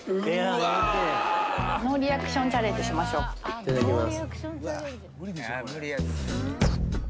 いただきます。